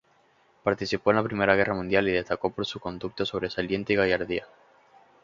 Participó en la Primera Guerra Mundial y destacó por su conducta sobresaliente y gallardía.